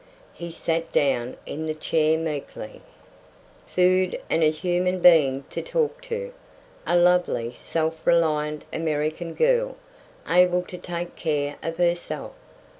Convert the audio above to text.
He sat down in the chair meekly. Food and a human being to talk to! A lovely, self reliant American girl, able to take care of herself.